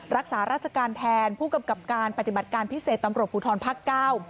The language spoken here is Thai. รักษาราชการแทนผู้กำกับการปฏิบัติการพิเศษตำรวจภูทรภาคเก้า